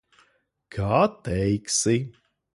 Kā teiksi.